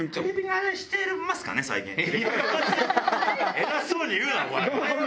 偉そうに言うなお前。